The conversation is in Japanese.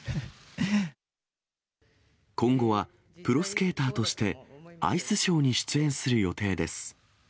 今後は、プロスケーターとして、アイスショーに出演する予定です。